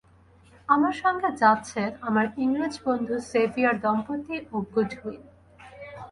আমার সঙ্গে যাচ্ছেন আমার ইংরেজ বন্ধু সেভিয়ার দম্পতি ও গুডউইন।